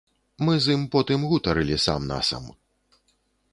Мы з ім потым гутарылі сам-насам.